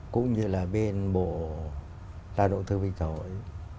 cũng như là bên bộ lao động thương binh xã hội